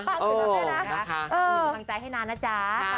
ขอบคุณความใจให้นานนะจ๊ะ